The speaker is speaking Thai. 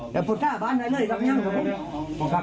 แต่พุทธภาพบาดได้เลยครับพี่ยัง